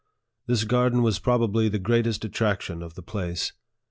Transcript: This garden was probably the greatest attrac tion of the place.